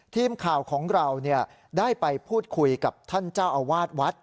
ทีมข่าวของเราได้ไปพูดคุยกับท่านเจ้าอาวาสวัด